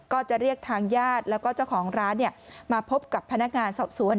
ก็จะเรียกทางญาติแล้วก็เจ้าของร้านมาพบกับพนักงานสอบสวน